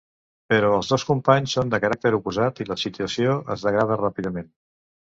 Però els dos companys són de caràcter oposat i la situació es degrada ràpidament.